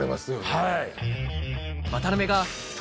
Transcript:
はい。